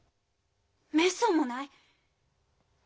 めっそうもない。